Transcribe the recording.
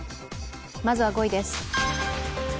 まずは５位です。